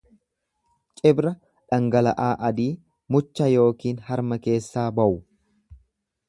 Cibra dhangala'aa adii mucha yookiin harma keessaa bawu.